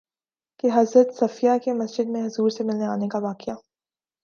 کہ حضرت صفیہ کے مسجد میں حضور سے ملنے آنے کا واقعہ